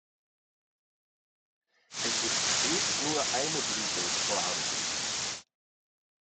Es ist stets nur eine Blüte vorhanden.